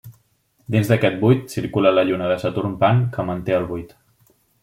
Dins d'aquest buit, circula la lluna de Saturn Pan que manté el buit.